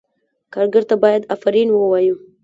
کارګر ته باید آفرین ووایو.